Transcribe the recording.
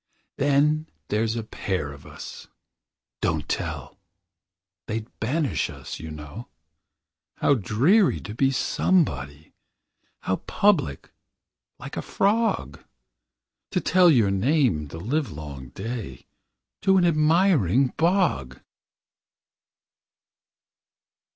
Then there 's a pair of us don't tell! They 'd banish us, you know. How dreary to be somebody! How public, like a frog To tell your name the livelong day To an admiring bog!